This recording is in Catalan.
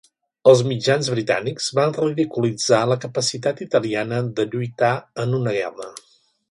Els mitjans britànics van ridiculitzar la capacitat italiana de lluitar en una guerra.